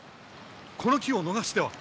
この機を逃しては。